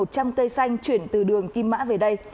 một trăm linh cây xanh chuyển từ đường kim mã về đây